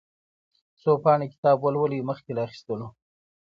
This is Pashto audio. څو پاڼې کتاب ولولئ مخکې له اخيستلو.